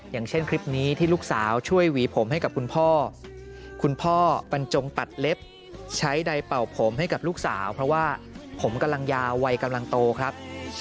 อย่างเช่นคลิปนี้ที่ลูกสาวช่วยหวีผมให้กับคุณพ่อคุณพ่อบรรจงตัดเล็บใช้ใดเป่าผมให้กับลูกสาวเพราะว่าผมกำลังยาววัยกำลังโตครับ